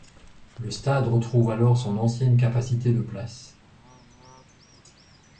Le stade retrouve alors son ancienne capacité de places.